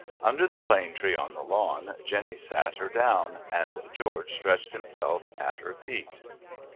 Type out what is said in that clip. Under the plane tree on the lawn Jenny sat her down, and George stretched himself at her feet.